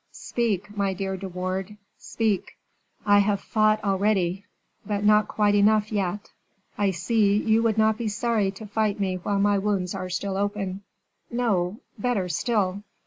Speak, my dear De Wardes, speak." "I have fought already." "But not quite enough, yet." "I see, you would not be sorry to fight with me while my wounds are still open." "No; better still."